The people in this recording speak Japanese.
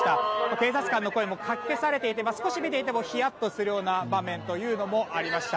警察官の声もかき消されて少し見ていてもヒヤッとするような場面もありました。